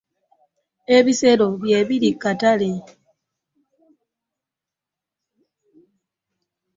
Ebisero bye biri kukatale.